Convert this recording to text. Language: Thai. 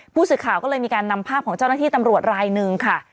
ผู้สื่อข่าวก็เลยมีการนำภาพของเจ้าหน้าที่ตำรวจรายหนึ่งค่ะ